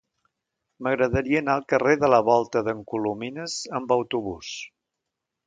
M'agradaria anar al carrer de la Volta d'en Colomines amb autobús.